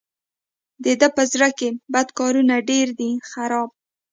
د ده په زړه کې بد کارونه دي ډېر خراب.